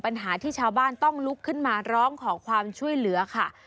ปัญหาที่ชาวบ้านต้องลุกขึ้นมาร้องขอความช่วยเหลือค่ะ